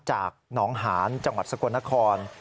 จากหนองหานจังหวัดสกลนคร